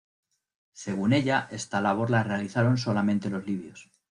Según ella esta labor la realizaron solamente los libios.